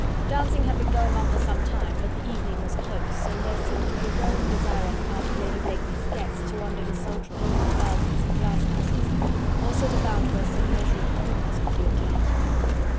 Dancing had been going on for some time, but the evening was close, and there seemed to be a growing desire on the part of Lady Blakeney's guests to wander desultorily through the gardens and glasshouses, or sit about where some measure of coolness could be obtained.